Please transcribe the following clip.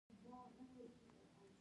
دې نه مخکښې هم دوي